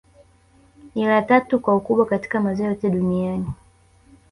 Ni la tatu kwa ukubwa katika maziwa yote Duniani